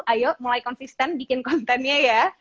ayo mulai konsisten bikin kontennya ya